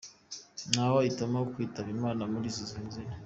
Ntawahitamo kwitaba Imana muri izi nzira.